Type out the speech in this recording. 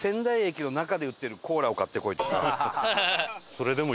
それでも。